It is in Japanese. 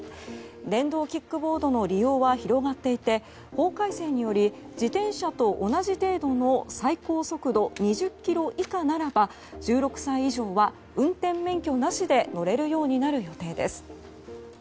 電動キックボードの利用は広がっていて法改正により自転車と同じ程度の最高速度２０キロ以下ならば１６歳以上は運転免許なしで乗れるようになる予定です。